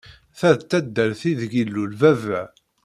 Ta d taddart ideg ilul baba.